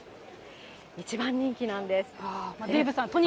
一番人気なんです。